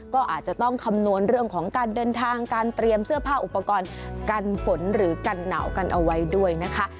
ก็อาจจะต้องคำนวณเรื่องของการเดินทางการเตรียมเสื้อผ้าอุปกรณ์กันฝนหรือกันหนาวกันเอาไว้ด้วยนะคะ